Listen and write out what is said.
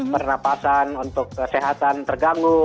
pernapasan untuk kesehatan terganggu